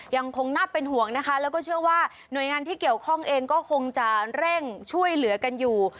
ยังคงน่าเป็นห่วงนะคะแล้วก็เชื่อว่าหน่วยงานที่เกี่ยวข้องเองก็คงจะเร่งช่วยเหลือกันอยู่